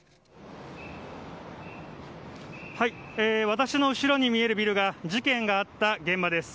私の後ろに見えるビルが事件があった現場です。